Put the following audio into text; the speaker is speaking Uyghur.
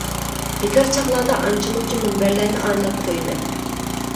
بىكار چاغلاردا ئانچە-مۇنچە مۇنبەرلەرنى ئارىلاپ قويىمەن.